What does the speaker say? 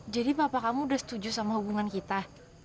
jadi papa kamu udah setuju sama hubungan kita